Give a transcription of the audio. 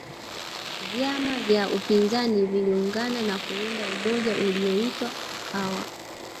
vyama vya upinzani viliungana na kuunda umoja uliyoitwa ukawa